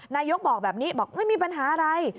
นายกบอกแบบนี้บอกไม่มีปัญหาอะไร